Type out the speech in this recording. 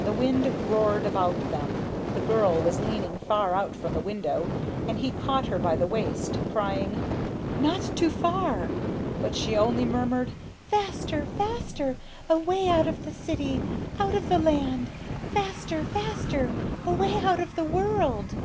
The wind roared about them. The girl was leaning far out from the window, and he caught her by the waist, crying, "Not too far!" but she only murmured, "Faster! faster! away out of the city, out of the land, faster, faster! away out of the world!"